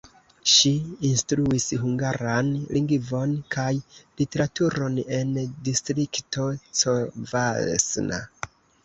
Ŝi instruis hungaran lingvon kaj literaturon en Distrikto Covasna.